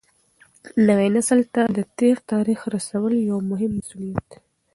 نوي نسل ته د تېر تاریخ رسول یو مهم مسولیت دی.